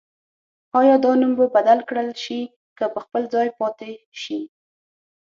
آیا دا نوم به بدل کړل شي که په خپل ځای پاتې شي؟